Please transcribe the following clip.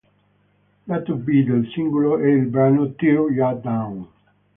Lato B del singolo è il brano "Tear Ya Down".